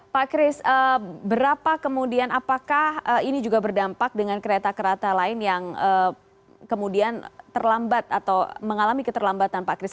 pak kris berapa kemudian apakah ini juga berdampak dengan kereta kereta lain yang kemudian terlambat atau mengalami keterlambatan pak kris